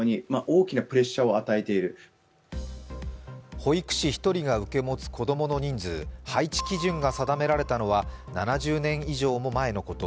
保育士１人が受け持つ子供の人数配置基準が定められたのは７０年以上も前のこと。